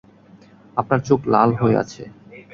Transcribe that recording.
আপনার চোখ লাল হয়ে আছে।